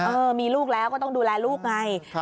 เออมีลูกแล้วก็ต้องดูแลลูกไง